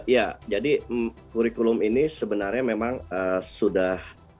ya jadi kurikulum ini sebenarnya memang sudah